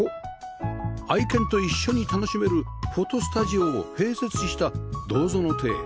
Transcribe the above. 愛犬と一緒に楽しめるフォトスタジオを併設した堂園邸